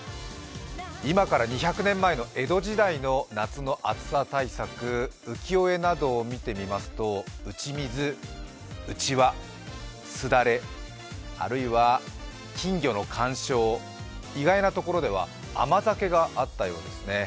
今から２００年前の江戸時代の夏の暑さ対策、浮世絵などを見ていきますと、打ち水、うちわ、すだれ、あるいは金魚の観賞、意外なところでは甘酒があったようですね。